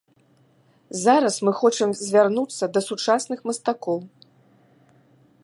Зараз мы хочам звярнуцца да сучасных мастакоў.